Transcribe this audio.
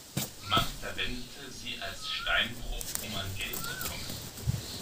Man verwendete sie als Steinbruch, um an Geld zu kommen.